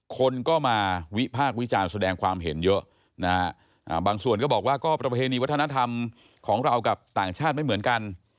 คนก็มาวิพากษ์วิจารณ์แสดงความเห็นเยอะนะฮะบางส่วนก็บอกว่าก็ประเพณีวัฒนธรรมของเรากับต่างชาติไม่เหมือนกัน